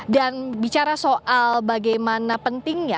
dan bicara soal bagaimana pentingnya